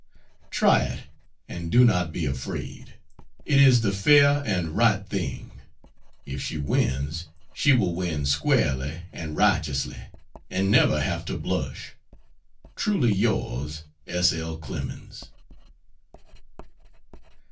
Try it, and do not be afraid. It is the fair and right thing. If she wins, she will win squarely and righteously, and never have to blush. Truly yours, S. L. CLEMENS.